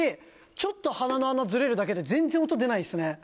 ちょっと鼻の穴ズレるだけで全然音出ないっすね。